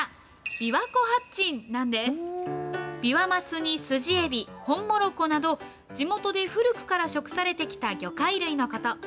ビワマスにスジエビ、ホンモロコなど、地元で古くから食されてきた魚介類のこと。